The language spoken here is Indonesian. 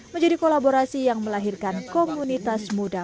menjadi kolaborasi yang melahirkan komunitas muda